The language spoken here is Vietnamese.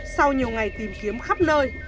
sau nhiều ngày tìm kiếm khắp nơi